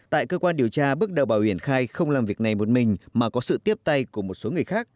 tại cơ quan điều tra bước đầu bảo hiểm khai không làm việc này một mình mà có sự tiếp tay của một số người khác